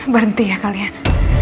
berhenti ya kalian